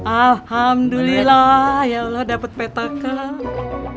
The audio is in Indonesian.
alhamdulillah ya allah dapet peta kau